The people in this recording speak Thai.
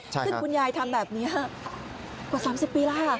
ซึ่งคุณยายทำแบบนี้กว่า๓๐ปีแล้วค่ะ